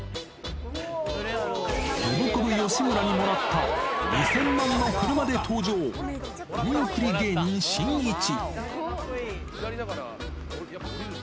ノブコブ・吉村にもらった２０００万の車で登場、お見送り芸人しんいち。